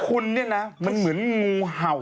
คุณเนี่ยนะมันเหมือนงูเห่า